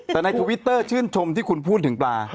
แต่ในทวิตเตอร์ชื่นชมที่คุณพูดถึงปลา